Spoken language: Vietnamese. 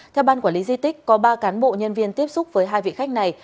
theo ban quản lý di tích có ba cán bộ nhân viên tiếp xúc với hai vị khách này